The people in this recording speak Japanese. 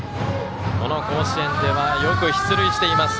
この甲子園ではよく出塁しています。